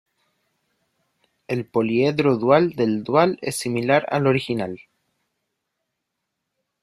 El poliedro dual del dual es similar al original.